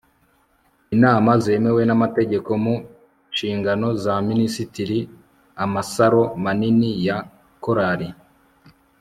inama zemewe n'amategeko mu nshingano za minisitiri. amasaro manini ya korali